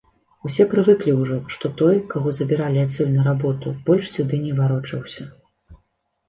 Усе прывыклі ўжо, што той, каго забіралі адсюль на работу, больш сюды не варочаўся.